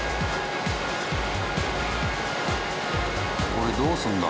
これどうするんだ？